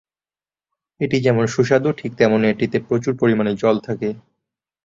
এটি যেমন সুস্বাদু ঠিক তেমনি এটিতে প্রচুর পরিমাণে জল থাকে।